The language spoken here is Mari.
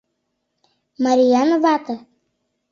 Мариян вате?